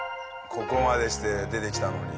ここまでして出てきたのに。